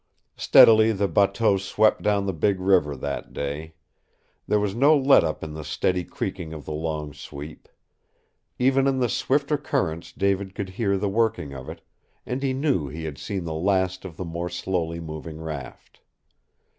Steadily the bateau swept down the big river that day. There was no let up in the steady creaking of the long sweep. Even in the swifter currents David could hear the working of it, and he knew he had seen the last of the more slowly moving raft.